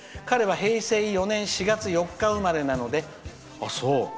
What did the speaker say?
彼は平成４年４月４日生まれなので。